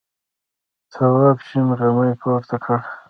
تواب شین غمی پورته کړ.